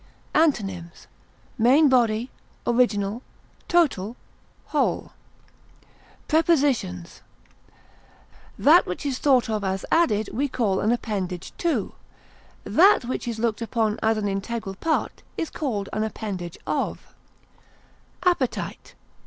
Antonyms: main body, original, total, whole. Prepositions: That which is thought of as added we call an appendage to; that which is looked upon as an integral part is called an appendage of. APPETITE.